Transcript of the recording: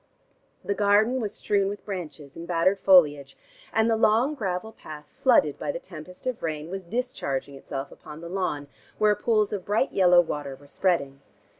The garden was strewn with branches and battered foliage and the long gravel path flooded by the tempest of rain was discharging itself upon the lawn, where pools of bright yellow water were spreading.